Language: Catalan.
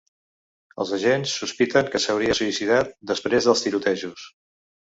Els agents sospiten que s’hauria suïcidat després dels tirotejos.